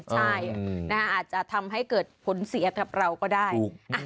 ใช่อาจจะทำให้เกิดผลเสียกับเราก็ได้